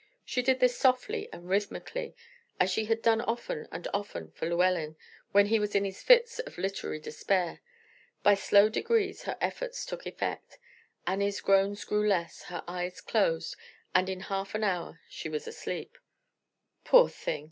She did this softly and rhythmically, as she had done often and often for Llewellyn when he was in his fits of literary despair. By slow degrees her efforts took effect; Annie's groans grew less, her eyes closed, and in half an hour she was asleep. "Poor thing!"